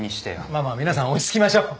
まあまあ皆さん落ち着きましょう。